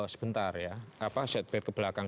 sebentar ya apa setback ke belakang